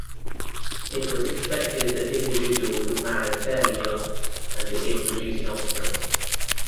It was expected that individuals would marry fairly young and begin producing offspring.